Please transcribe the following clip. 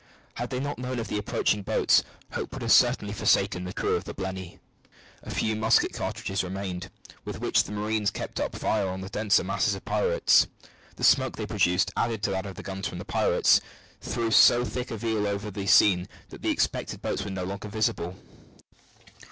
Had they not known of the approaching boats, hope would certainly have forsaken the crew of the Blenny. A few musket cartridges remained, with which the marines kept up a fire on the denser masses of pirates. The smoke they produced, added to that of the guns from the pirates, threw so thick a veil over the scene that the expected boats were no longer visible.